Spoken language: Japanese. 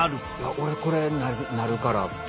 俺これなるから。